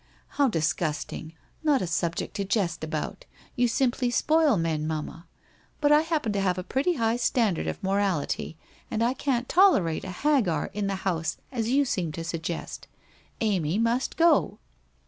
How disgust ing! Not a subject to jest about. You simply spoil men, mamma. But I happen to have a pretty high standard of morality and I can't tolerate a Hagar in the house as you seem to suggest. Amy must go.'